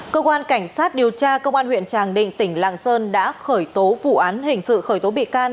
cơ quan cảnh sát điều tra công an huyện tràng định tỉnh lạng sơn đã khởi tố vụ án hình sự khởi tố bị can